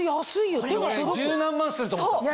１０何万すると思った。